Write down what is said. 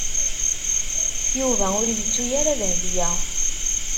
Yuba ur yettu ara Dahbiya.